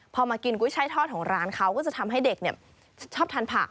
พอมากินกุ้ยช่ายทอดของร้านเขาก็จะทำให้เด็กชอบทานผัก